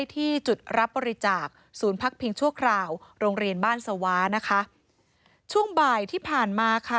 ทั้ง๘ศพนะคะ